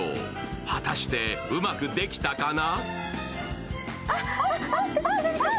果たしてうまくできたかな？